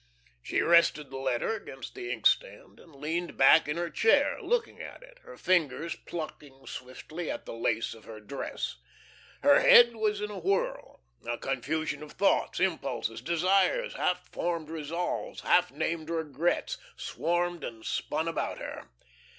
She rested the letter against the inkstand, and leaned back in her chair, looking at it, her fingers plucking swiftly at the lace of her dress. Her head was in a whirl. A confusion of thoughts, impulses, desires, half formed resolves, half named regrets, swarmed and spun about her.